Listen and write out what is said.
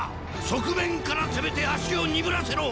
側面から攻めて足を鈍らせろ！